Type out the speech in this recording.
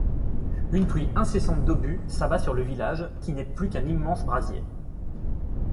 Une pluie incessante d'obus s'abat sur le village qui n'est plus qu'un immense brasier.